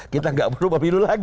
kita tidak perlu pemilu lagi